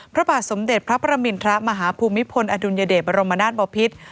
พระบาทสมเด็จพระประมินทรมาฮภูมิพลอดุลยเดชบรมนาศบอพิษ